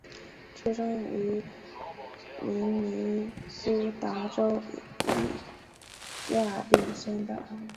出生于明尼苏达州亚历山大。